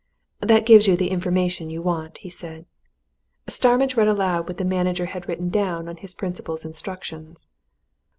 "That gives you the information you want," he said. Starmidge read aloud what the manager had written down on his principal's instructions.